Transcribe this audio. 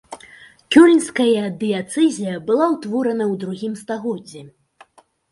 Кёльнская дыяцэзія была ўтворана ў другім стагоддзі.